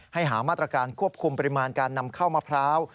หามาตรการควบคุมปริมาณการนำเข้ามะพร้าว